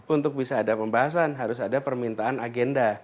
untuk bisa ada pembahasan harus ada permintaan agenda